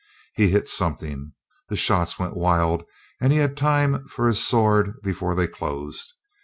He hit something. The shots went wild and he had time for his sword before they closed.